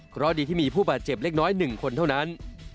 เพราะดีที่มีผู้บาดเจ็บเล็กน้อย๑คนเท่านั้น